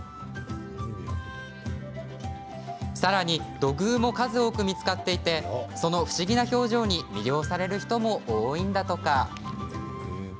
さらに土偶も数多く見つかっていてその不思議な表情に魅了される人も多いんだとか。